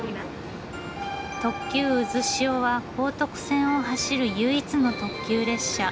特急うずしおは高徳線を走る唯一の特急列車。